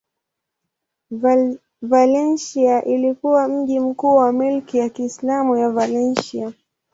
Valencia ilikuwa mji mkuu wa milki ya Kiislamu ya Valencia.